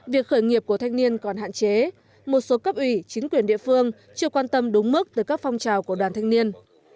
việc khởi nghiệp của thanh niên còn hạn chế một số cấp ủy chính quyền địa phương chưa quan tâm đúng mức tới các phong trào của đoàn thanh niên